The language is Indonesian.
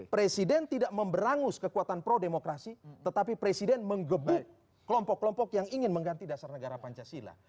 presiden tidak memberangus kekuatan pro demokrasi tetapi presiden menggebuk kelompok kelompok yang ingin mengganti dasar negara pancasila